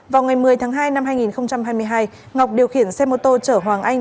vào ngày một mươi tháng hai năm hai nghìn hai mươi hai ngọc điều khiển xe mô tô chở hoàng anh